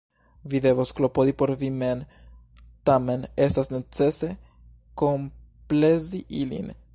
Vi devos klopodi por vi mem. Tamen estas necese komplezi ilin.